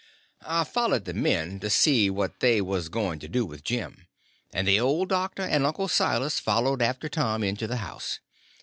I followed the men to see what they was going to do with Jim; and the old doctor and Uncle Silas followed after Tom into the house.